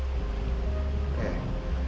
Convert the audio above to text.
ええ。